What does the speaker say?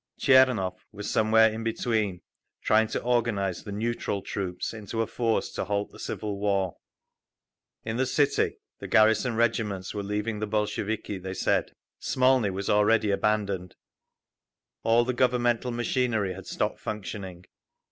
Tchernov was somewhere in between, trying to organise the "neutral" troops into a force to halt the civil war. In the city the garrison regiments were leaving the Bolsheviki, they said. Smolny was already abandoned…. All the Governmental machinery had stopped functioning.